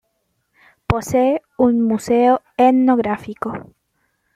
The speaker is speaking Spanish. Posee un museo etnográfico.